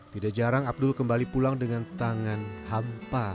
tidak jarang abdul kembali pulang dengan tangan hampa